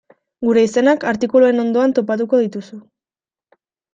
Gure izenak artikuluen ondoan topatuko dituzu.